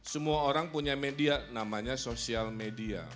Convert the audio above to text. semua orang punya media namanya sosial media